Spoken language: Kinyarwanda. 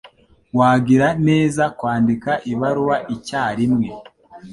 wagira neza kwandika ibaruwa icyarimwe.